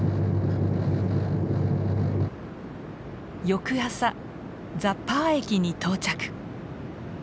翌朝ザ・パー駅に到着。